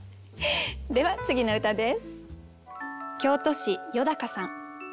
では次の歌です。